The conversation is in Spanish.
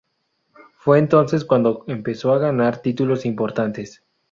Fue entonces cuando empezó a ganar títulos importantes.